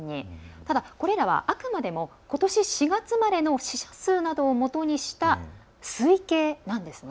ただ、これらはあくまでもことし４月までの死者数などをもとにした推計なんですね。